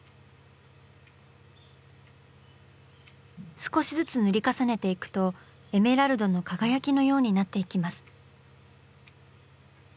少しずつ塗り重ねていくとエメラルドの輝きのようになっていきます。